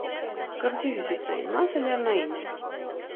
Կղզու հյուսիսային մասը լեռնային է։